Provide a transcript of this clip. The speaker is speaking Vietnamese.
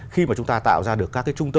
khi chúng ta tạo ra được các trung tâm logistics